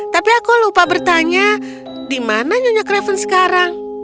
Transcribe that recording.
tapi aku lupa bertanya di mana nyonya craven sekarang